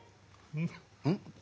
うん？